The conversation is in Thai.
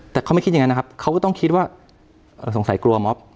แต่เขาไม่คิดอย่างนั้นนะครับเขาก็ต้องคิดว่าสงสัยกลัวม็อบ